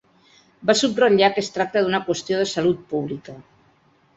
Va subratllar que es tracta d’una qüestió de salut pública.